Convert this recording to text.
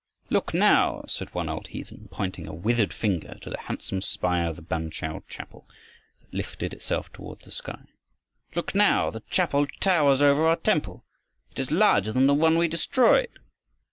"Look now," said one old heathen, pointing a withered finger to the handsome spire of the Bang kah chapel, that lifted itself toward the sky, "Look now, the chapel towers above our temple. It is larger than the one we destroyed."